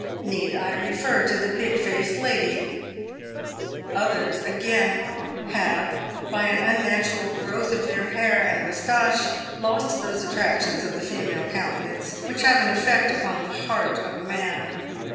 Need I refer to the pig faced lady ? Others, again, have, by an unnatural growth of their hair and moustache, lost those attractions of the female countenance which have an effect upon the heart of man.